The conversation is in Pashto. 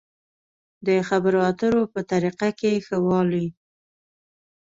د خبرو اترو په طريقه کې ښه والی.